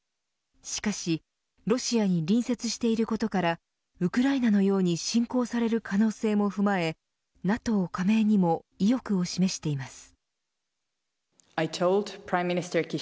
しかしロシアに隣接していることからウクライナのように侵攻される可能性も踏まえＮＡＴＯ加盟にも意欲を示しています。